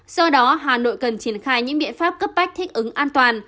do đó hà nội cần triển khai những biện pháp cấp bách thích ứng an toàn